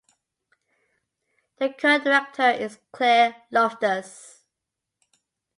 The current Director is Claire Loftus.